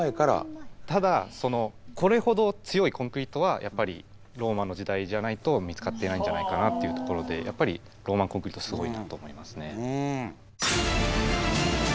ただこれほど強いコンクリートはやっぱりローマの時代じゃないと見つかっていないんじゃないかなっていうところでやっぱりローマンコンクリートすごいなと思いますね。